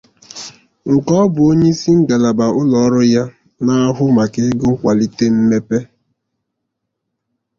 nke ọ bụ onyeisi ngalaba ụlọọrụ ya na-ahụ maka ego nkwalite mmepe